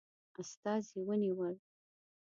استازي ونیول.